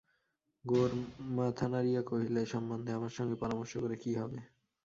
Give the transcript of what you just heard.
গোরা মাথা নাড়িয়া কহিল, এ সম্বন্ধে আমার সঙ্গে পরামর্শ কী করে হবে!